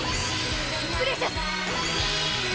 プレシャス！